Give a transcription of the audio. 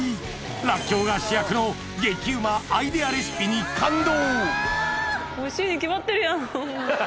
ラッキョウが主役の激うまアイデアレシピに感動